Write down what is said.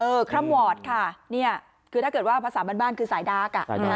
คร่ำวอร์ดค่ะเนี่ยคือถ้าเกิดว่าภาษาบ้านคือสายดาร์กอ่ะ